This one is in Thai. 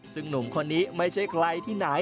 ซึ่งหนุ่มคนนี้ไม่ใช่ใครที่ไหน